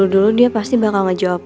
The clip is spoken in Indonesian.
dulu dia pasti bakal ngejawab